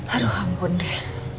aduh ampun deh